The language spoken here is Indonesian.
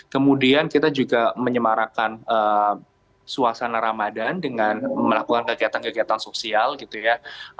kemudian kita juga menyemarakan suasana ramadan dengan melakukan kegiatan kegiatan sosial gitu ya